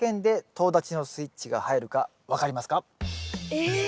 え？